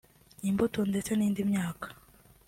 imbuto ndetse n’indi myaka